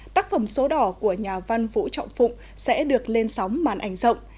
tác phẩm số đỏ của nhà văn vũ trọng phụng sẽ được lên sóng màn ảnh rộng